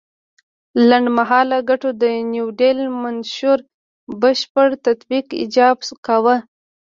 لنډ مهاله ګټو د نیوډیل منشور بشپړ تطبیق ایجاب کاوه.